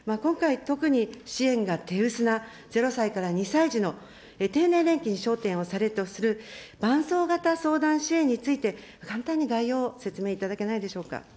今回特に支援が手薄な０歳から２歳児の低年齢期に、焦点とする伴走型相談支援について、簡単に概要を説明いただけないでしょうか。